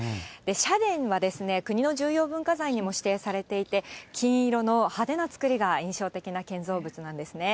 社殿はですね、国の重要文化財にも指定されていて、金色の派手なつくりが印象的な建造物なんですね。